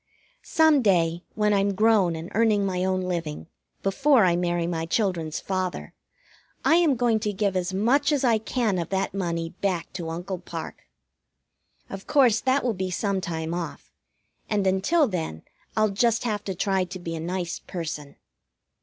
Some day, when I'm grown and earning my own living, before I marry my children's father, I am going to give as much as I can of that money back to Uncle Parke. Of course that will be some time off, and until then I'll just have to try to be a nice person.